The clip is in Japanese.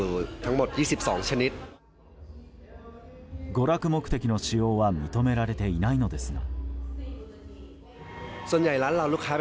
娯楽目的の使用は認められていないのですが。